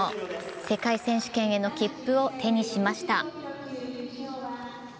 世界選手権への切符を手にしました。